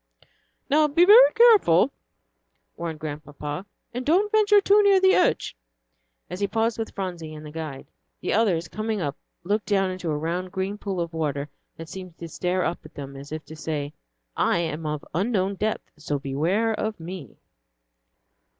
"Now be very careful," warned Grandpapa, "and don't venture too near the edge," as he paused with Phronsie and the guide. The others, coming up, looked down into a round, green pool of water that seemed to stare up at them, as if to say, "I am of unknown depth, so beware of me."